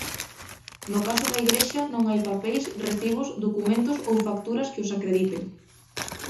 No caso da Igrexa non hai papeis, recibos, documentos ou facturas que os acrediten.